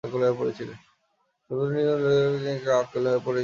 সদানন্দ-হৃদয় বসন্ত রায় চারিদিকে নিরানন্দ দেখিয়া একেবারে আকুল হইয়া পড়িয়াছেন।